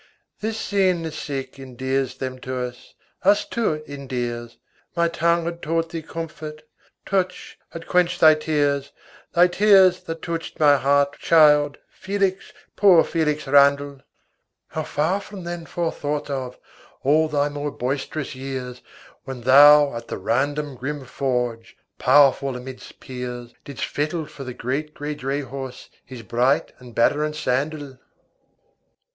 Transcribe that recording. This seeing the sick endears them to us, us too it endears. My tongue had taught thee comfort, touch had quenched thy tears, Thy tears that touched my heart, child, Felix, poor Felix Randal; How far from then forethought of, all thy more boisterous years, When thou at the random grim forge, powerful amidst peers, Didst fettle for the great grey drayhorse his bright and battering sandal!